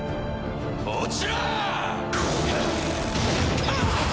落ちろー！